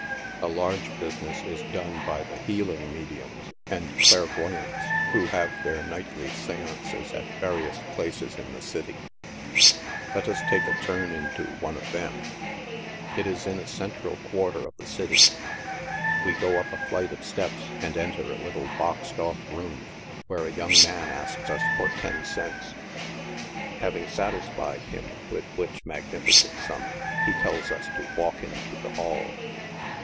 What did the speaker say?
A large business is done by the healing mediums and clairvoy ants, who have their nightly seances at various places in the city. Let us take a turn into one of them. THE MEDIUMS. 91 It is in a central quarter of the city. Wo go up a flight of steps, and enter a little boxecl off room, where a young man asks us lor ten cents, having satisfied him with which magniGcent sura, he tells us to walk into the ball.